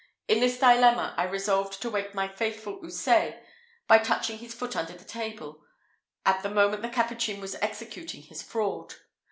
In this dilemma, I resolved to wake my faithful Houssaye, by touching his foot under the table, at the moment the Capuchin was executing his fraud.